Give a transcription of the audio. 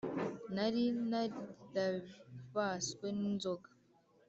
Nari narabaswe n inzoga